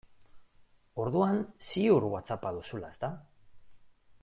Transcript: Orduan ziur Whatsapp-a duzula, ezta?